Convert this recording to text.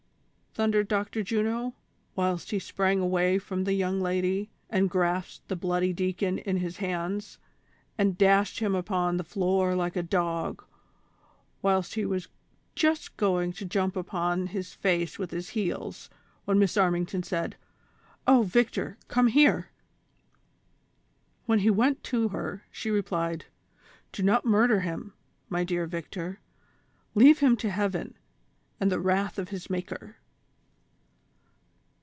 thundered Dr. Juno, whilst he sprang away from the young lady, and grasped the bloody deacon in his hands, and dashed him upon the floor like a dog, whilst he was just going to jump upon his face with his heels, when Miss Armington said : "O Victor, come here." When he went to her, she replied : "Do not murder him, my dear Victor, leave him to heaven, and the wrath of his Maker."